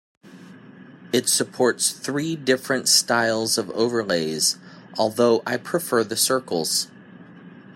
It supports three different styles of overlays, although I prefer the circles.